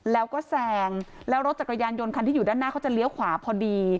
แล้วก็แซงแล้วรถจักรยานยนต์คันที่อยู่ด้านหน้าเขาจะเลี้ยวขวาพอดี